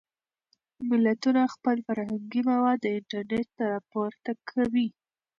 ملتونه خپل فرهنګي مواد انټرنټ ته پورته کوي.